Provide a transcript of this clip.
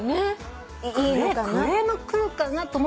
いいのかなって。